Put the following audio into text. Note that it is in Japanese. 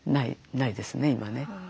ないですね今ね。